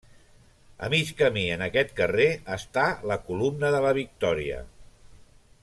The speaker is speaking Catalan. A mig camí en aquest carrer està la Columna de la Victòria.